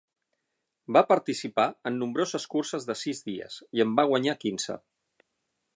Va participar en nombroses curses de sis dies i en va guanyar quinze.